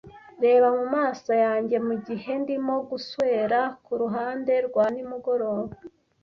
Reba mumaso yanjye mugihe ndimo guswera kuruhande rwa nimugoroba,